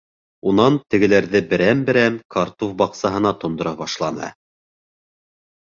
Унан тегеләрҙе берәм-берәм картуф баҡсаһына тондора башланы.